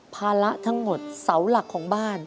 ภาระทั้งหมดเสาหลักของบ้าน